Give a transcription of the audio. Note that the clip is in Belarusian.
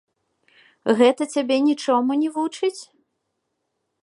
Гэта цябе нічому не вучыць?